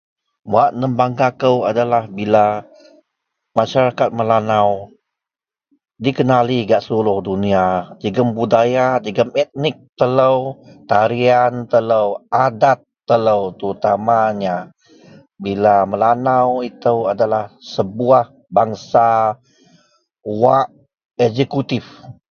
Wak nebangga kou adalah bila masyarakat Melanau dikenali gak seluruh dunia, jegum budaya, jegum etnik telo, tarian telo adet telo terutamanya bila Melanau ito adalah sebuwah bangsa wak eksekutif.